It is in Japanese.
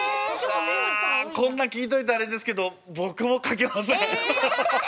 うわこんな聞いといてあれですけどぼくもかけません。